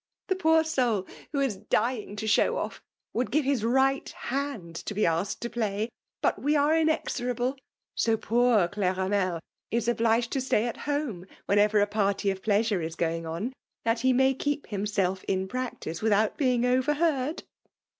The poor soul, who is dying to show ofi*, would give his right hand to be asked to play; but we are inexorable: — so poor Cleramel is obliged to i2 172 PEMALB DOMINATION. stay at home whenever a party of pleasure is going on, that he may keep himself in prac tice without being overheard.